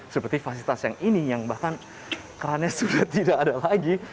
seperti fasilitas yang ini yang bahkan kerannya sudah tidak ada lagi